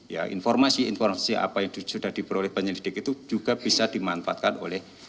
ya informasi informasi apa yang sudah diperoleh penyelidik itu juga bisa dimanfaatkan oleh